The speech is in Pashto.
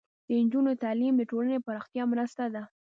د نجونو تعلیم د ټولنې پراختیا مرسته ده.